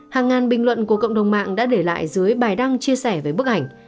hàng ngàn bình luận của cộng đồng mạng đã để lại dưới bài đăng chia sẻ với bức ảnh